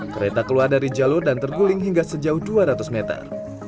kereta keluar dari jalur dan terguling hingga sejauh dua ratus meter